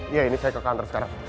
iya ini saya ke kantor sekarang